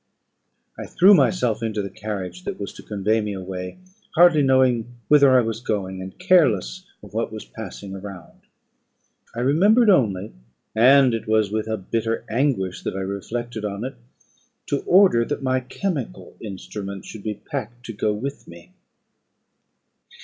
I threw myself into the carriage that was to convey me away, hardly knowing whither I was going, and careless of what was passing around. I remembered only, and it was with a bitter anguish that I reflected on it, to order that my chemical instruments should be packed to go with me.